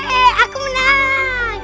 susah jagalah dia